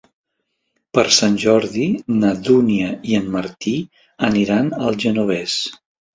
Per Sant Jordi na Dúnia i en Martí aniran al Genovés.